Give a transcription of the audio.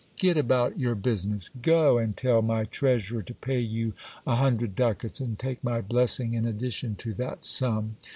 " Get about your business ! Go and tell my treasurer to pay you a hundred ducats, and take my blessing in addition to that sum.